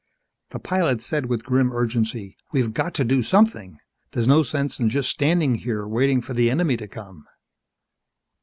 The pilot said with grim urgency: "We've got to do something. There's no sense in just standing here waiting for the enemy to come."